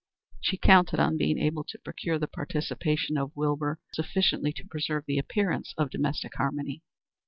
She counted on being able to procure the participation of Wilbur sufficiently to preserve the appearance of domestic harmony.